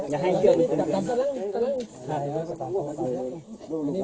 อย่าให้เกือบถึง